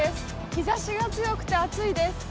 日ざしが強くて暑いです。